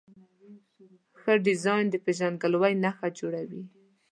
ښه ډیزاین د پېژندګلوۍ نښه جوړوي.